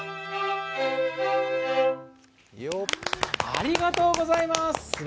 ありがとうございます。